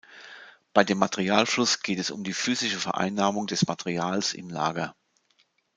Bei dem Materialfluss geht es um die physische Vereinnahmung des Materials im Lager.